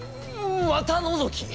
股のぞき？